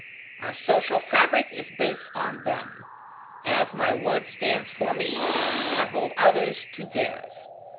Our social fabric is based on them. As my word stands for me, I hold others to theirs.